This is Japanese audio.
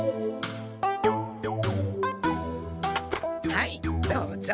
はいどうぞ。